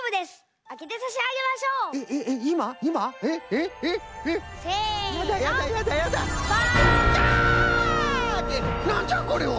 ってなんじゃこれは！？